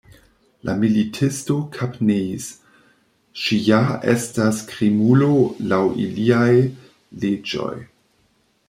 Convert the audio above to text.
La militisto kapneis: “Ŝi ja estas krimulo laŭ iliaj leĝoj.